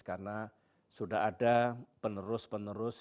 karena sudah ada penerus penerus